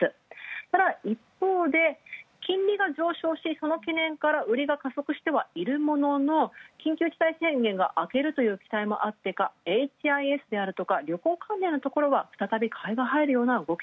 ただ一方で金利が上昇し売りが加速してはいるものの、緊急事態宣言があけるという期待もあってか、ＨＩＳであるとか旅行関連は買いがはいる動き。